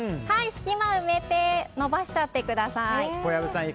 隙間を埋めて延ばしちゃってください。